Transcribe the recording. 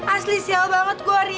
asli sial banget gue hari ini